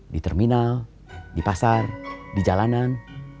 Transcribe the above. di terminal di pasar di jalanan